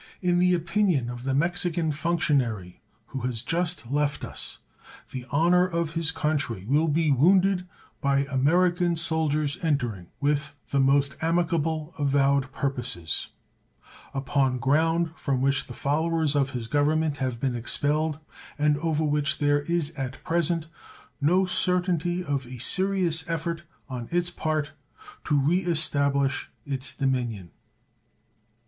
In the opinion of the Mexican functionary who has just left us, the honor of his country will be wounded by American soldiers entering, with the most amicable avowed purposes, upon ground from which the followers of his Government have been expelled, and over which there is at present no certainty of a serious effort on its part to re establish its dominion.